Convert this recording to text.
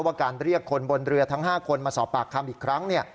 ว่าการเรียกคนบนเรือทั้ง๕คนมาสอบปากคำอีกครั้ง